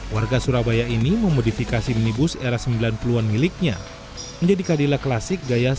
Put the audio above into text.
warga surabaya ini memodifikasi minibus era sembilan puluh an miliknya menjadi kadila klasik gaya seribu sembilan ratus tiga puluh an